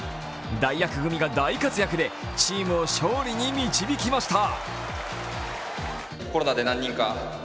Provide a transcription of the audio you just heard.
代役組が大活躍でチームを勝利に導きました。